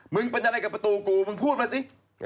มึงปัญญาใดกับประตูกูมึงพูดมาสิ